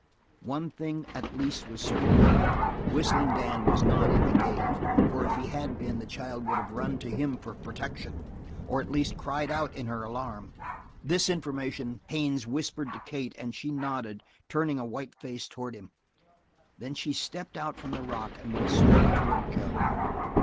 One thing at least was certain. Whistling Dan was not in the cave, for if he had been the child would have run to him for protection, or at least cried out in her alarm. This information Haines whispered to Kate and she nodded, turning a white face toward him. Then she stepped out from the rock and went straight toward Joan.